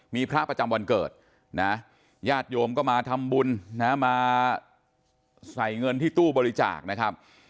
มีพระประจำวันเกิดนะญาติโยมก็มาทำบุญนะมาใส่เงินที่ตู้บริจาคนะครับ